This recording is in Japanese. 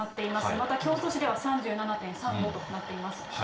また、京都市では３７．３度となっています。